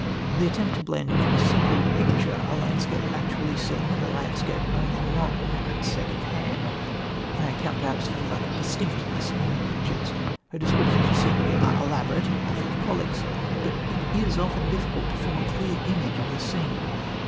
The attempt to blend into a single picture a landscape actually seen and a landscape only known at second hand may perhaps account for the lack of distinctness in her pictures. Her descriptions of scenery are elaborate, and often prolix, but it is often difficult to form a clear image of the scene.